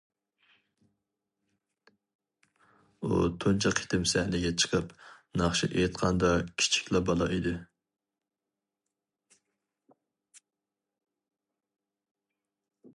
ئۇ تۇنجى قېتىم سەھنىگە چىقىپ ناخشا ئېيتقاندا كىچىكلا بالا ئىدى.